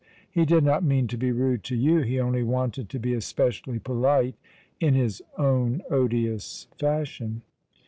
He did not mean to bo rude to you. He only wanted to bo especially 13olite in his own odious fashion.